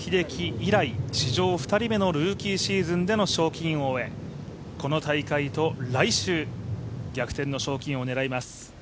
以来、史上２人目のルーキーシーズンへの賞金王へこの大会と来週逆転の賞金王を狙います。